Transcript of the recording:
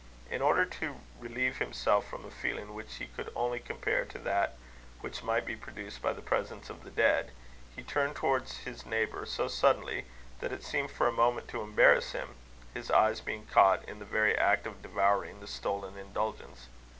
In order to relieve himself from a feeling which he could only compare to that which might be produced by the presence of the dead, he turned towards his neighbour so suddenly, that it seemed for a moment to embarrass him, his eyes being caught in the very act of devouring the stolen indulgence.